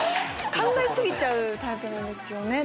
考え過ぎちゃうタイプなんですね。